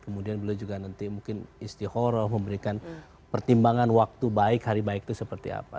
kemudian beliau juga nanti mungkin istiqoroh memberikan pertimbangan waktu baik hari baik itu seperti apa